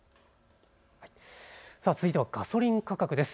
続いてはガソリン価格です。